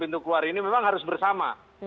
pintu keluar ini memang harus bersama